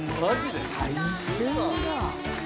大変だ。